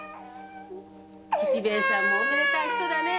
吉兵衛さんもおめでたい人だねえ